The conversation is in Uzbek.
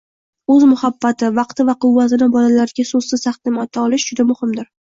o‘z muhabbati, vaqti va quvvatini bolalariga so‘zsiz taqdim eta olish juda muhimdir.